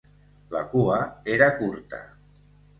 La cua era curta.